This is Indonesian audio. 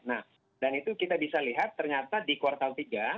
nah dan itu kita bisa lihat ternyata di kuartal tiga